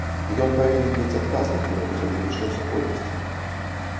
Ён павінен быць адказным перад акадэмічнай супольнасцю.